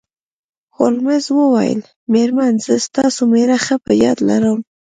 هولمز وویل میرمن زه ستاسو میړه ښه په یاد لرم